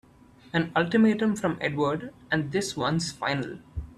An ultimatum from Edward and this one's final!